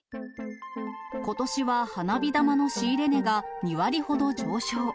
ことしは花火玉の仕入れ値が２割ほど上昇。